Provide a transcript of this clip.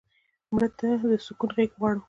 مړه ته د سکون غېږ غواړو